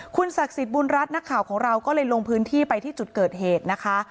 คุณศักดิ์สิทธิ์บุญรัฐนักข่าวของเราก็เลยลงพื้นที่ไปที่จุดเกิดเหตุนะคะ